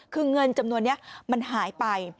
คือเงินจำนวนนี้มันหายไป